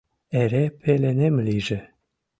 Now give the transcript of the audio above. Эре пеленем лийже.